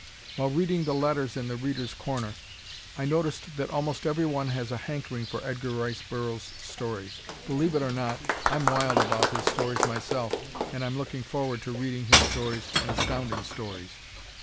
While reading the letters in "The Readers' Corner" I noticed that almost everyone has a hankering for Edgar Rice Burroughs' stories. Believe it or not, I'm wild about his stories myself and I'm looking forward to reading his stories in Astounding Stories.